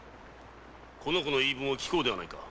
この娘の言い分を聞こうではないか。